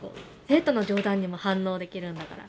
生徒の冗談にも反応できるんだから。